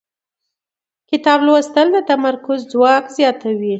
کتاب لوستل د تمرکز ځواک زیاتوي